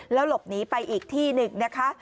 แล้วหลบหนีไปอีกที่หนึ่งนะคะ